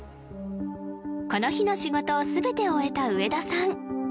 この日の仕事を全て終えた植田さん